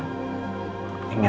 mama baik lagi ya